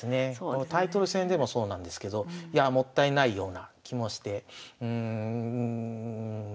タイトル戦でもそうなんですけどいやあもったいないような気もしてま